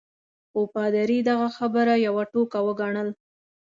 خو پادري دغه خبره یوه ټوکه وګڼل.